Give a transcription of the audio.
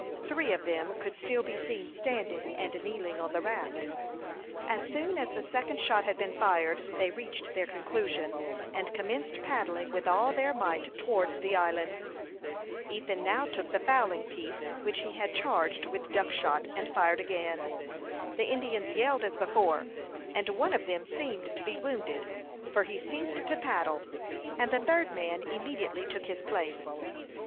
Three of them could still be seen standing and kneeling on the raft. As soon as the second shot had been fired, they reached their conclusion, and commenced paddling with all their might towards the island. Ethan now took the fowling piece, which he had charged with duck shot, and fired again. The Indians yelled as before, and one of them seemed to be wounded, for he ceased to paddle, and the third man immediately took his place.